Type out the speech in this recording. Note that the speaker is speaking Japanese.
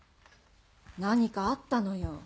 何かあったのよ。